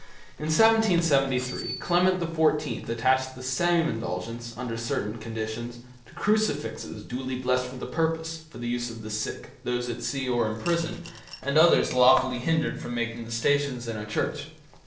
In 1773 Clement XIV attached the same indulgence, under certain conditions, to crucifixes duly blessed for the purpose, for the use of the sick, those at sea or in prison, and others lawfully hindered from making the Stations in a church.